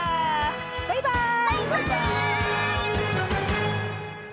バイバーイ！